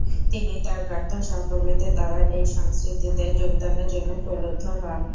তিনি তার প্রাক্তন সহকর্মীদের দ্বারা এই সংস্কৃতিতে যোগদানের জন্য প্রলুব্ধ হন।